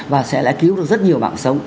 và sẽ lại cứu được rất nhiều mạng sống